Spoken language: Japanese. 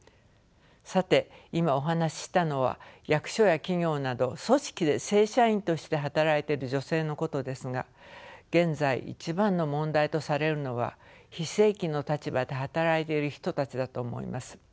さて今お話ししたのは役所や企業など組織で正社員として働いてる女性のことですが現在一番の問題とされるのは非正規の立場で働いている人たちだと思います。